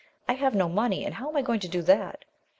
I have no money and how am I going to do that?"